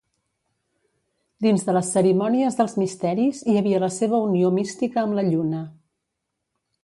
Dins de les cerimònies dels misteris hi havia la seva unió mística amb la Lluna.